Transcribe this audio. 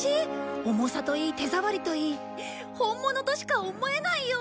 重さといい手触りといい本物としか思えないよ！